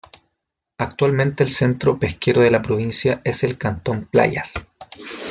Actualmente el centro pesquero de la provincia es el cantón Playas.